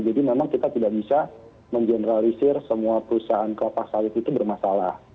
jadi memang kita tidak bisa menggeneralisir semua perusahaan kelapa sawit itu bermasalah